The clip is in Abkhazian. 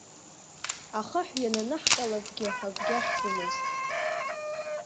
Ахаҳә иананаҳҟьалакгьы, акгьы ахьӡомызт.